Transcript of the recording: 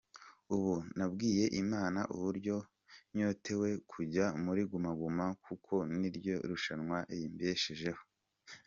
Ubu nabwiye Imana uburyo nyotewe kujya muri Guma Guma kuko niryo rushanwa rimbeshejeho.